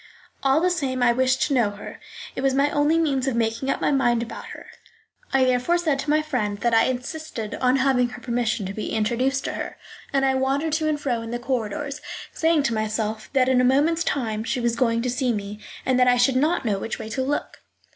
All the same, I wished to know her; it was my only means of making up my mind about her. I therefore said to my friend that I insisted on having her permission to be introduced to her, and I wandered to and fro in the corridors, saying to myself that in a moment's time she was going to see me, and that I should not know which way to look.